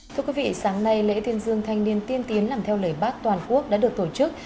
thưa quý vị sáng nay lễ tuyên dương thanh niên tiên tiến làm theo lời bác toàn quốc đã được tổ chức